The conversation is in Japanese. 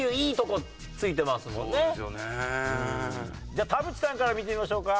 じゃあ田渕さんから見てみましょうか。